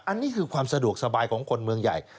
อันนี้คือความสะดวกสบายของคนเมืองใหญ่